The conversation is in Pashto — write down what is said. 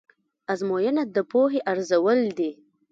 ازموینه د پوهې ارزول دي.